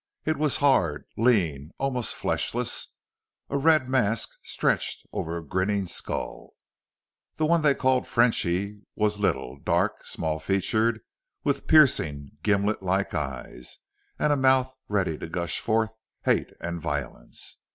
It was hard, lean, almost fleshless, a red mask stretched over a grinning skull. The one they called Frenchy was little, dark, small featured, with piercing gimlet like eyes, and a mouth ready to gush forth hate and violence.